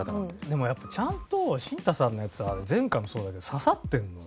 でもやっぱちゃんとしんたさんのやつは前回もそうだけど刺さってるの。